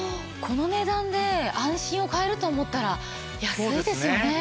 この値段で安心を買えると思ったら安いですよね。